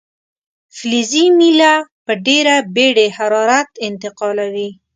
فلزي میله په ډیره بیړې حرارت انتقالوي.